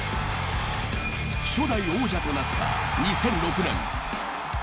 初代王者となった２００６年。